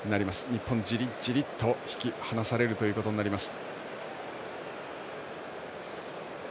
日本、じりじりと引き離されるということになります。